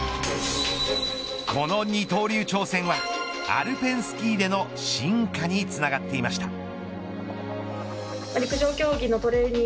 この二刀流挑戦はアルペンスキーでの進化につながっていました。